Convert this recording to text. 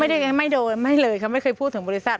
ไม่ได้ไม่โดยไม่เลยค่ะไม่เคยพูดถึงบริษัท